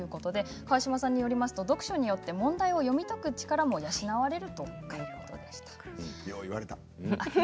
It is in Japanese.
川島さんによると読書によって問題を読み解く力が養われるということです。